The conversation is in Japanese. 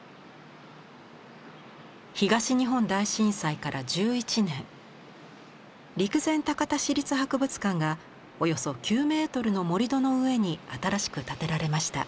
東日本大震災から１１年陸前高田市立博物館がおよそ９メートルの盛り土の上に新しく建てられました。